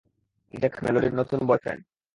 দেখ, মেলোডির নতুন বয়ফ্রেন্ড।